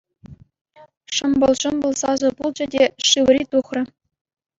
Шӑмпӑл-шампӑл сасӑ пулчӗ те, Шыври тухрӗ.